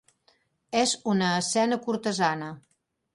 És una escena cortesana.